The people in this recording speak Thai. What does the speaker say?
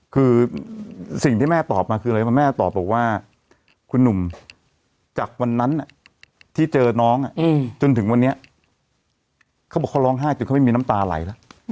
คือสิ่งที่แม่ตอบมาคืออะไรเพราะแม่ตอบบอกว่าคุณหนุ่มจากวันนั้นที่เจอน้องจนถึงวันนี้เขาบอกเขาร้องไห้จนเขาไม่มีน้ำตาไหลแล้ว